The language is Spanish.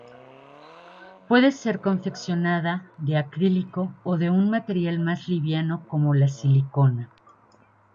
Puede ser confeccionada de acrílico o de un material más liviano como la silicona.